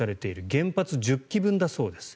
原発１０基分だそうです。